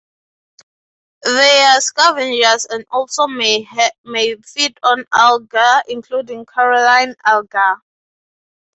They are scavengers and also may feed on algae, including coralline algae.